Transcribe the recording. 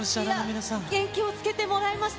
元気をつけてもらいました。